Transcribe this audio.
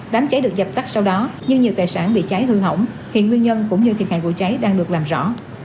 đám cháy được dập tắt sau đó nhưng nhiều tài sản bị cháy hư hỏng hiện nguyên nhân cũng như thiệt hại vụ cháy đang được làm rõ